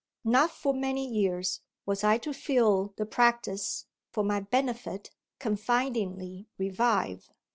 Not for many years was I to feel the practice, for my benefit, confidingly revive.